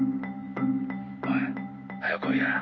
「おい早よ来いや」